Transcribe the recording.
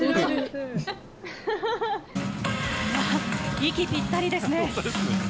息、ぴったりですね。